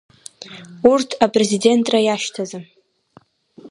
Урҭ апрезидентра иашьҭаӡам.